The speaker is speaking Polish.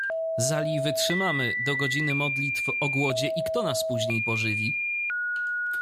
Zali wytrzymamy do godziny modlitw o głodzie — i kto nas później pożywi.